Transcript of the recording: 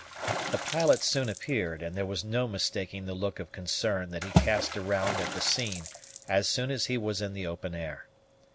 The pilot soon appeared, and there was no mistaking the look of concern that he cast around at the scene as soon as he was in the open air.